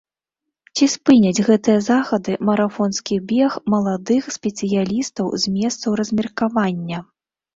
Ці спыняць гэтыя захады марафонскі бег маладых спецыялістаў з месцаў размеркавання?